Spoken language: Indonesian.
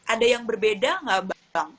ada yang berbeda nggak bang